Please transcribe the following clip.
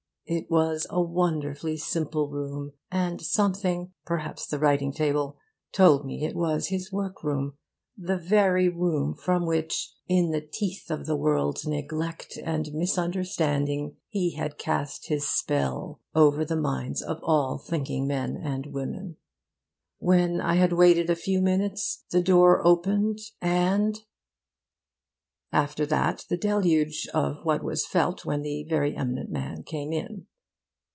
It was a wonderfully simple room; and something, perhaps the writing table, told me it was his work room, the very room from which, in the teeth of the world's neglect and misunderstanding, he had cast his spell over the minds of all thinking men and women. When I had waited a few minutes, the door opened and' after that the deluge of what was felt when the very eminent man came in.